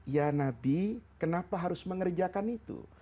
ya nabi kenapa harus mengerjakan itu